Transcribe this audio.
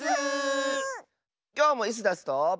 きょうもイスダスと。